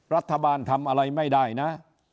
รัฐบาลทำอะไรไม่ได้นะ